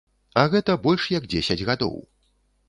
А гэта больш як дзесяць гадоў.